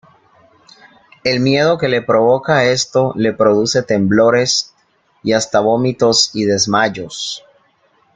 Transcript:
El miedo que le provoca esto le produce temblores y hasta vómitos y desmayos.